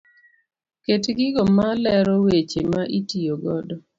Ket gigo malero weche ma itiyo godo.